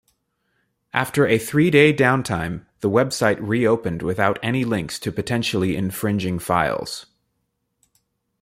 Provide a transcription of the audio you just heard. After a three-day downtime, the website reopened without any links to potentially infringing files.